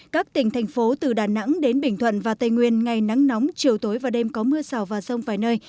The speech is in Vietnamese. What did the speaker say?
các tỉnh thành phố từ đà nẵng đến bình thuận và tây nguyên ngày nắng nóng chiều tối và đêm có mưa rào và rông vài nơi